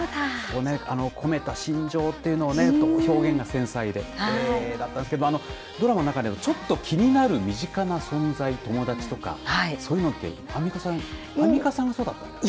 込めた心情というのも表現が繊細でよかったんですけどドラマの中でちょっと気になる身近な存在友達とかそういうのって、アンミカさんアンミカさんがそうだった。